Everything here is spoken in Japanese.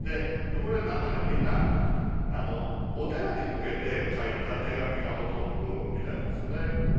これみんなお寺に向けて書いた手紙がほとんどみたいですね。